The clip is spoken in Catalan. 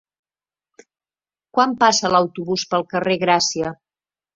Quan passa l'autobús pel carrer Gràcia?